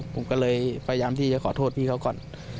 ผมก็เลยพยายามที่จะขอโทษพี่เขาก่อน